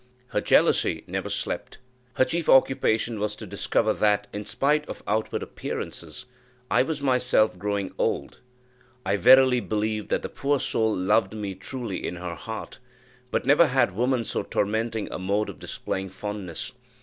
Her jealously never slept. Her chief occupation was to discover that, in spite of outward appearances, I was myself growing old. I verily believe that the poor soul loved me truly in her heart, but never had woman so tormenting a mode of displaying fondness.